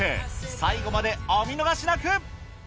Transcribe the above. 最後までお見逃しなく！